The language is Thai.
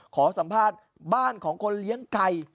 ขอสัมภาษณ์บ้านของคนเลี้ยงไก่